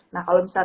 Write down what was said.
nah kalau misalnya